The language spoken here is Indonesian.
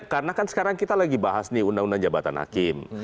karena kan sekarang kita lagi bahas nih undang undang jabatan hakim